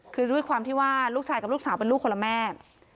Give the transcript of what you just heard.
คือด้วยความที่ว่าลูกชายกับลูกสาวเป็นลูกคนละแม่